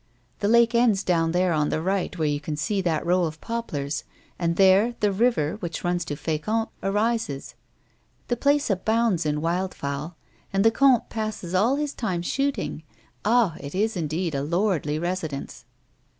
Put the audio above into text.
The lake ends down there, on the right, where you can see that row of poplars, and there the river, which runs to Fecamp, rises. The place abounds in wild fowl, and the comte passes all his time shooting. Ah ! it is indeed a lordly residence."